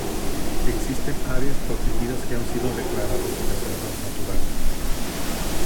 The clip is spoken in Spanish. Existen áreas protegidas que han sido declaradas reservas naturales.